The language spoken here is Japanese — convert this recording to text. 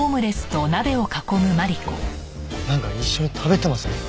なんか一緒に食べてません？